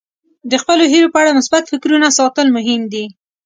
د خپلو هیلو په اړه مثبت فکرونه ساتل مهم دي.